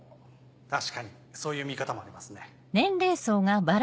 確かにそういう見方もありますね。